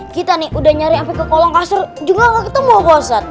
kita nih udah nyari sampe ke kolong kasar juga ga ketemu pak ustazah